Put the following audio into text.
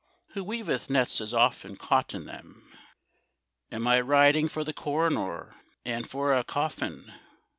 Who weaveth nets is often caught in them. "And I am riding for the coroner, And for a coffin.